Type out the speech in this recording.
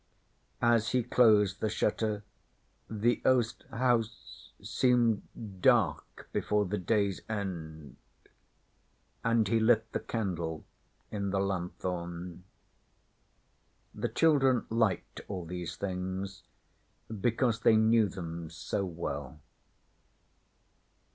As he closed the shutter, the oast house seemed dark before the day's end, and he lit the candle in the lanthorn. The children liked all these things because they knew them so well.